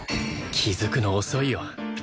気づくの遅いよ